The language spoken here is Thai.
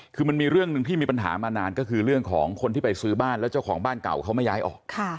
คือมันมีเรื่องหนึ่งที่มีปัญหามานานก็คือเรื่องของคนที่ไปซื้อบ้านแล้วเจ้าของบ้านเก่าเขาไม่ย้ายออก